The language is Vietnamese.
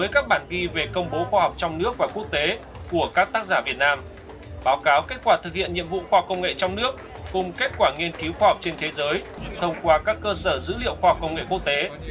các bản ghi về công bố khoa học trong nước và quốc tế của các tác giả việt nam báo cáo kết quả thực hiện nhiệm vụ khoa học công nghệ trong nước cùng kết quả nghiên cứu khoa học trên thế giới thông qua các cơ sở dữ liệu khoa học công nghệ quốc tế